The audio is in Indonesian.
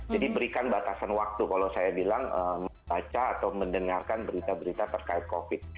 jadi berikan batasan waktu kalau saya bilang baca atau mendengarkan berita berita terkait covid